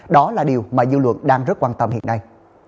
đó là điều mà dư luận đang rất quan tâm hiện nay